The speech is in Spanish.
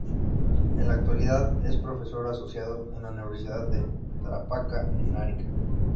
En la actualidad es Profesor Asociado en la Universidad de Tarapacá en Arica.